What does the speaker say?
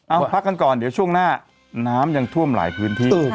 เอาพักกันก่อนเดี๋ยวช่วงหน้าน้ำยังท่วมหลายพื้นที่